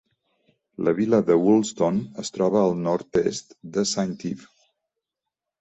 La vila de Woolston es troba al nord-est de Saint Ive.